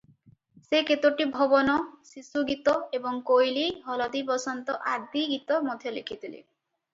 ସେ କେତୋଟି ଭଜନ, ଶିଶୁଗୀତ ଏବଂ କୋଇଲୀ, ହଳଦୀବସନ୍ତ ଆଦି ଗୀତ ମଧ୍ୟ ଲେଖିଥିଲେ ।